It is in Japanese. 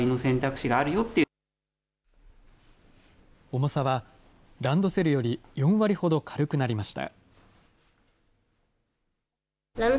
重さはランドセルより４割ほど軽くなりました。